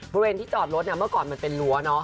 บริเวณที่จอดรถเมื่อก่อนมันเป็นหลัว